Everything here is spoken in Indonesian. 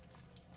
terima kasih pak